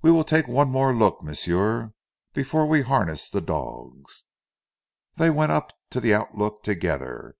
"We weel tak' one look more, m'sieu, before we harness zee dogs." They went up to the outlook together.